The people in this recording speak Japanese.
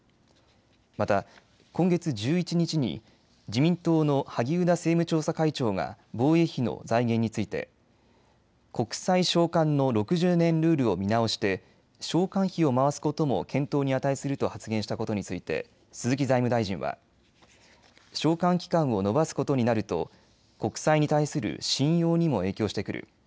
また今月１１日に自民党の萩生田政務調査会長が防衛費の財源について国債償還の６０年ルールを見直して償還費を回すことも検討に値すると発言したことについて鈴木財務大臣は償還期間を延ばすことになると国債に対する信用にも影響してくる。